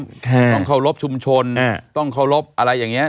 ต้องเคารพชุมชนอ่าต้องเคารพอะไรอย่างนี้